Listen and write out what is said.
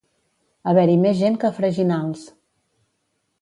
Haver-hi més gent que a Freginals.